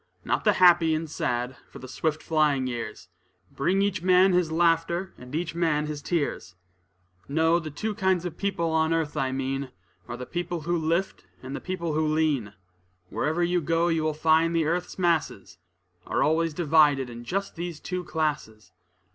Not the happy and sad, for the swift flying years Bring each man his laughter and each man his tears. No; the two kinds of people on earth I mean, Are the people who lift, and the people who lean. Wherever you go, you will find the earth's masses, Are always divided in just these two classes.